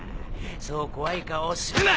そう怖い顔をするな！